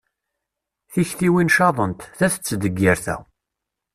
Tiktiwin caḍent, ta tettdeggir ta.